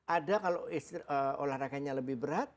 ada kalau olahraganya lebih berat